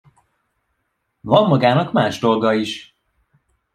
Van magának más dolga is.